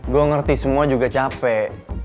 gue ngerti semua juga capek